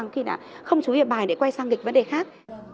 không chú ý bài để quay sang nghịch vấn đề khác